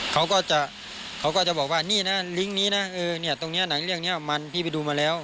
เขาก็จะเขาก็จะบอกว่านี่นะลิงก์นี้นะเออเนี่ยตรงนี้หนังเรื่องนี้มันพี่ไปดูมาแล้ว